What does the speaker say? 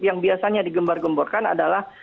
yang biasanya digembar gemborkan adalah